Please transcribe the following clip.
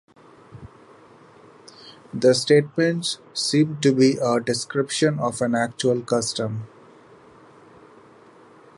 The statement seems to be a description of an actual custom.